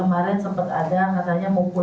wajib melakukan upaya pengobatan yang terbaik